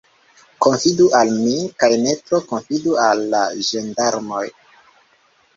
Konfidu al mi, kaj ne tro konfidu al la ĝendarmoj.